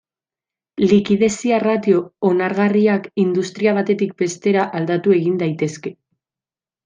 Likidezia-ratio onargarriak industria batetik bestera aldatu egin daitezke.